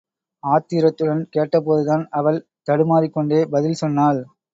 ஆத்திரத்துடன் கேட்டபோதுதான், அவள் தடுமாறிக் கொண்டே பதில் சொன்னாள்.